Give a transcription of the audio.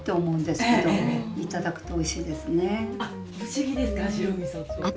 あっ不思議ですか？